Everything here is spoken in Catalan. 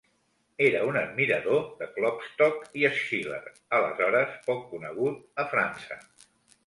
Era un admirador de Klopstock i Schiller, aleshores poc conegut a França.